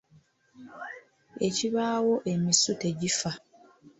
Ekibaawo emisu tegifa.